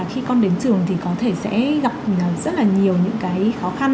khi con đến trường thì có thể sẽ gặp rất là nhiều những cái khó khăn